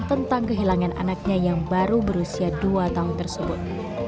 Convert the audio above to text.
tentang kehilangan anaknya yang baru berusia dua tahun tersebut